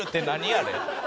あれ。